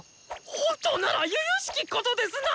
本当ならゆゆしきことですな！